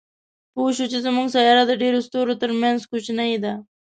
پوه شو چې زموږ سیاره د ډېرو ستورو تر منځ کوچنۍ ده.